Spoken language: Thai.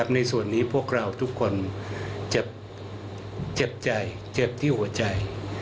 ในส่วนนี้พวกเราทุกคนเจ็บใจเจ็บที่หัวใจ